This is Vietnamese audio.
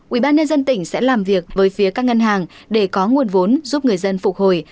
ubnd tỉnh sẽ làm việc với phía các ngân hàng để có nguồn vốn giúp người dân phục hồi